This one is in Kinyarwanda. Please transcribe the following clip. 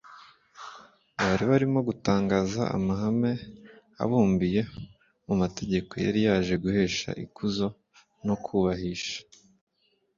bari barimo gutangaza amahame abumbiye mu mategeko yari yaje guhesha ikuzo no kubahisha